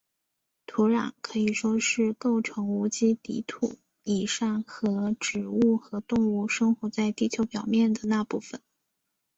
土壤可以说是构成无机底土以上和植物和动物生活在地球表面的那部分。